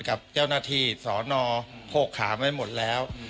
กับเจ้าหน้าที่สอนโภคข่าไหมไม่หมดแล้ว